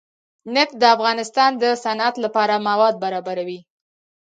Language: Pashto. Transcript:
نفت د افغانستان د صنعت لپاره مواد برابروي.